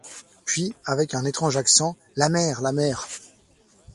Puis, avec un étrange accent: « La mer! la mer !